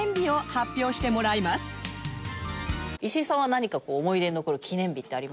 石井さんは何か思い出に残る記念日ってありますか？